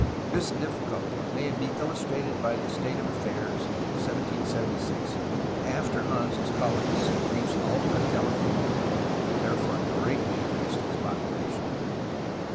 This difficulty may be illustrated by the state of affairs in 1776 (after Anza's colonists had reached Alta California and therefore greatly increased its population).